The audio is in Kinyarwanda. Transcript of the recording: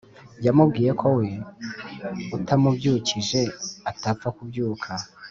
yamubwiye ko we utamubyukije atapfa kubyuka